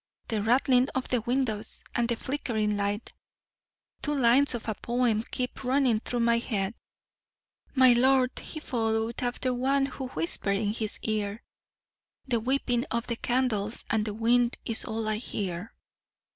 The rattling of the windows, and the flickering light two lines of a poem keep running through my head: "'My lord he followed after one who whispered in his ear The weeping of the candles and the wind is all I hear.'